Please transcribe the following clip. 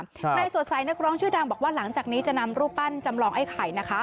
ในสดใสนักร้องชื่อดังบอกว่าหลังจากนี้จะนำรูปปั้นจำลองไอ้ไข่นะคะ